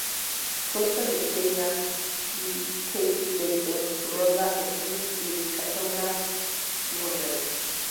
Consta de Sheila E., Kat Dyson, Rhonda Smith y Cassandra O'Neal.